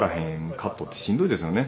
カットってしんどいですよね。